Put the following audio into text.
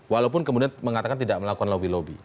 walaupun kemudian mengatakan tidak melakukan lobby lobby